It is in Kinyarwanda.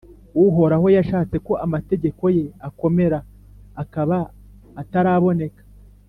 Uhoraho yashatse ko amategeko ye akomera, akaba akataraboneka.